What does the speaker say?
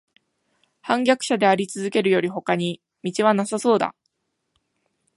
叛逆者でありつづけるよりほかに途はなさそうだ